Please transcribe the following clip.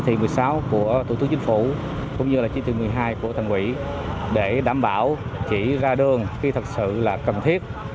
hiện nay các vận động hệ thống chính trị của chính khu phố cùng với người dân thành lập đến nay được là hai mươi vùng xanh